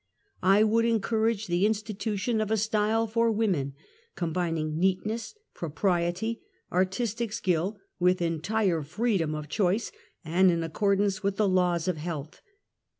I would encour age the institution of a style for women, combining neatness, propriety, artistic skill, with entire freedom of choice and in accordance with the laws of health.